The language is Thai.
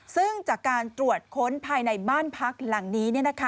ซึ่งจากการตรวจค้นภายในบ้านพักหลังนี้